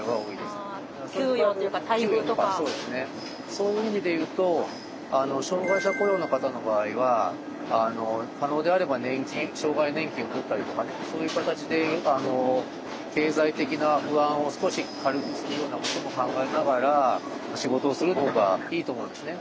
そういう意味で言うと障害者雇用の方の場合は可能であれば年金障害年金を取ったりとかねそういう形で経済的な不安を少し軽くするようなことも考えながら仕事をするほうがいいと思うんですね。